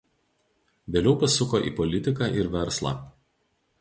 Vėliau pasuko į politiką ir verslą.